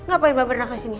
gapain bapak pernah kesini